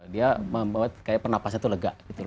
dia membuat kayak pernafasan itu lega